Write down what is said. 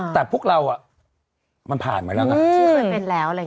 แต่พวกเรามันผ่านมาแล้ว